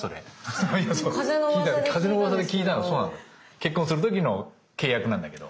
結婚する時の契約なんだけど。